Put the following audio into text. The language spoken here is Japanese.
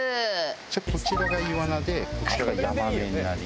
こちらがイワナでこちらがヤマメになります。